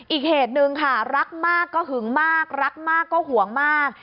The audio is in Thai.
อีกเหตุหนึ่งค่ะรักมากก็หึงมากรักมากก็ห่วงมาก